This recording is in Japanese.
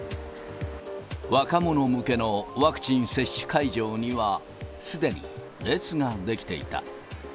若者向けのワクチン接種会場には、すでに列が出来ていた。